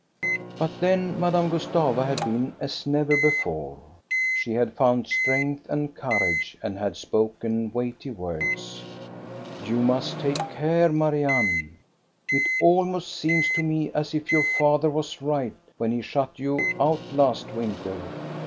" But then Madame Gustava had been as never before.' She had found strength and courage and had spoken weighty words. " You must take care, Marianne. It almost seems to me as if your father was right when he shut you out last winter.